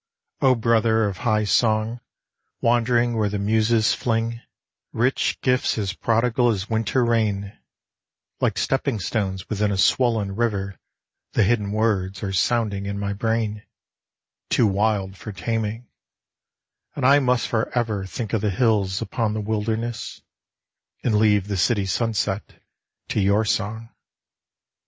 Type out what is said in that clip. O brother Of high song, wand'ring where the Muses fling SI 52 AN ATTEMPT AT A CITY SUNSET Rich gifts as prodigal as winter rain, Like stepping stones within a swollen river The hidden words are sounding in my brain, Too wild for taming ; and I must for ever Think of the hills upon the wilderness, And leave the city sunset to your song.